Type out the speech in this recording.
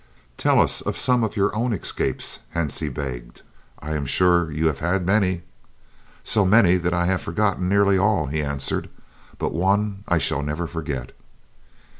" "Tell us some of your own escapes," Hansie begged, "I am sure you have had many." "So many that I have forgotten them nearly all," he answered, "but one I shall never forget."